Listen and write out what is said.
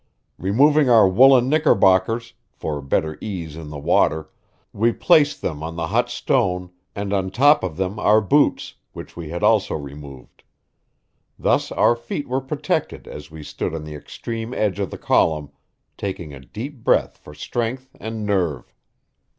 Removing our woolen knickerbockers for better ease in the water we placed them on the hot stone, and on top of them our boots, which we had also removed. Thus our feet were protected as we stood on the extreme edge of the column, taking a deep breath for strength and nerve.